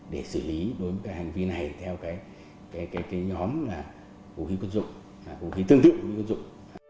để xử lý đối với cả hành vi này theo cái nhóm là vũ khí quân dụng vũ khí tương tự như vũ khí quân dụng